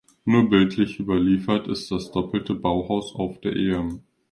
Nur bildlich überliefert ist das doppelte Bauhaus auf der ehem.